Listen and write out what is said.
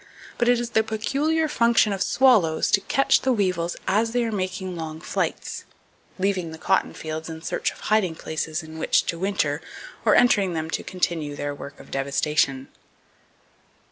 But it is the peculiar function of swallows to catch the weevils as they are making long flights, leaving the cotton fields in search of hiding places in which to winter or entering them to continue their work of devastation.